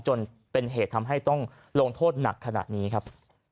จนเป็นเหตุทำให้ต้องลงโทษหนักขนาดนี้ครับ